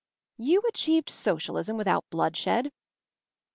"You achieved Socialism without blood shed?"